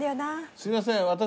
すいません私。